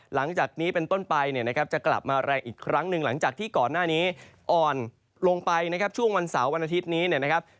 หลังจากนี้เป็นต้นไปเนี่ยนะครับจะกลับมาแรงอีกครั้งหนึ่งหลังจากที่ก่อนหน้านี้อ่อนลงไปนะครับช่วงวันเสาร์วันอาทิตย์นี้เนี่ยนะครับ